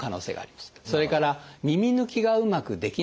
それから耳抜きがうまくできない人。